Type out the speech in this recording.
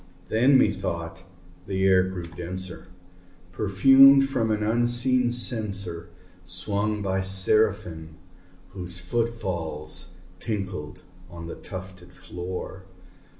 Then, methought, the air grew denser, perfumed from an unseen censer Swung by Seraphim whose foot falls tinkled on the tufted floor.